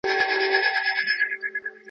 زه مخکي تکړښت کړی و!.